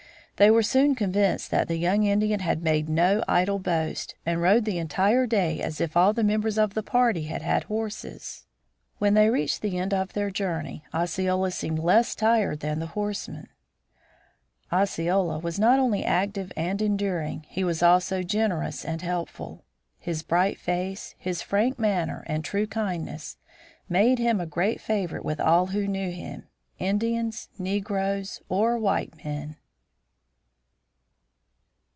They were soon convinced that the young Indian had made no idle boast, and rode the entire day as if all the members of the party had had horses. When they reached the end of their journey Osceola seemed less tired than the horsemen. Osceola was not only active and enduring. He was also generous and helpful. His bright face, his frank manner, and true kindness made him a great favorite with all who knew him, Indians, negroes, or white men.